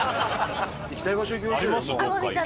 行きたい場所行きましょうよ。あります？